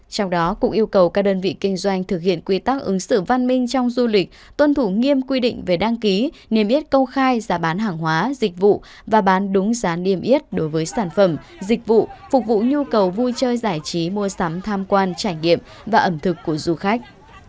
trong đó cũng yêu cầu các đơn vị kinh doanh thực hiện quy tắc ứng xử văn minh trong du lịch tuân thủ nghiêm quy định về đăng ký niêm yết công khai giá bán hàng hóa dịch vụ và bán đúng giá niêm yết đối với sản phẩm dịch vụ phục vụ nhu cầu vui chơi giải trí mua sắm tham quan trải nghiệm và ẩm thực của du khách